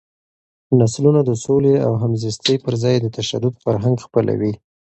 نسلونه د سولې او همزیستۍ پر ځای د تشدد فرهنګ خپلوي.